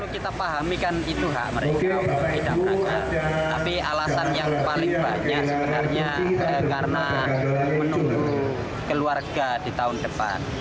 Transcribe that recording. kita pahami kan itu hak mereka untuk tidak merasa tapi alasan yang paling banyak sebenarnya karena menunggu keluarga di tahun depan